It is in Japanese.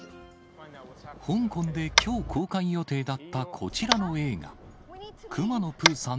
香港できょう公開予定だったこちらの映画、くまのプーさん